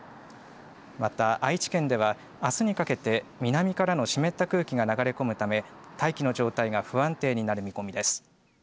また、愛知県では、あすにかけて南からの湿った空気が流れ込むため大気の状態が不安定になる見込みです。